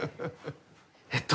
えっと